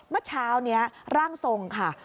เมื่อเช้านี้ร่างทรงค่ะ